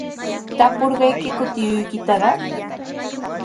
¿Tapurqaykiku tiyuykitaqa?